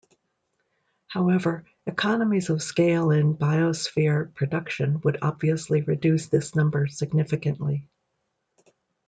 However, economies of scale in biosphere production would obviously reduce this number significantly.